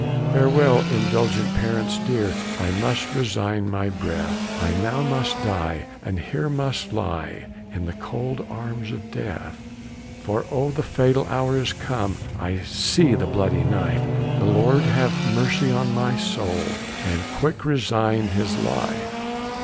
"Farewell, indulgent parents dear, I must resign my breath; I now must die, and here must lie In the cold arms of death. "For oh! the fatal hour is come, I see the bloody knife, The Lord have mercy on my soul!" And quick resigned his life.